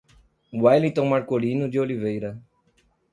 Wellington Marcolino de Oliveira